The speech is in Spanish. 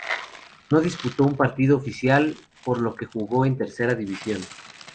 No disputó un partido oficial, por lo que jugó en tercera división.